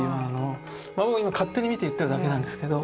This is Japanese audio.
僕は今勝手に見て言ってるだけなんですけど。